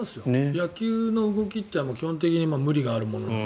野球の動きって基本的に無理があるものなので。